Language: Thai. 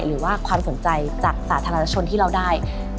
หรือว่าความสนใจจากสาธารณชนที่เราได้